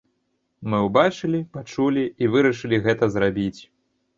Мы ўбачылі, пачулі і вырашылі гэта зрабіць.